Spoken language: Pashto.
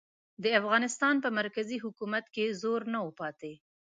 د افغانستان په مرکزي حکومت کې زور نه و پاتې.